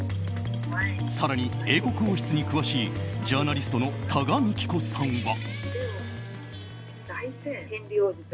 更に、英国王室に詳しいジャーナリストの多賀幹子さんは。